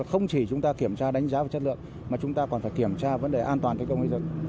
không chỉ chúng ta kiểm tra đánh giá về chất lượng mà chúng ta còn phải kiểm tra vấn đề an toàn thi công đến rừng